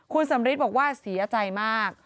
คุณสำริทบอกว่าเสียใจมาก